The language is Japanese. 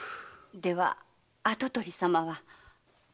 では跡取りさまは？